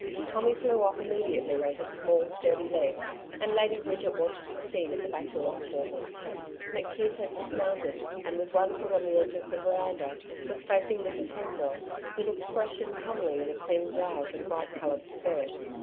Tommy flew off immediately on his small, sturdy legs, and Lady Bridget watched the scene at the Bachelors' Quarters. McKeith had dismounted, and with one foot on the edge of the veranda, was facing Mrs Hensor, who looked fresh and comely in a clean blouse and bright coloured skirt.